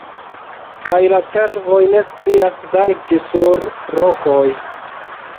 Kaj la cervoj ne scias salti sur rokoj.